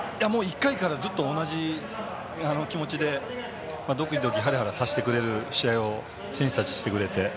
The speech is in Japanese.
１回からずっと同じ気持ちでドキドキハラハラさせてくれる試合を選手たち、してくれて。